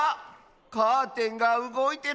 カーテンがうごいてる。